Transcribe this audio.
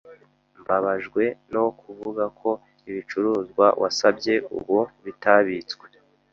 Mbabajwe no kuvuga ko ibicuruzwa wasabye ubu bitabitswe.